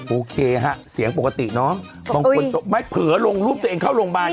โอเคฮะเสียงปกติเนอะไม่เผลอลงรูปตัวเองเข้าโรงบาลไง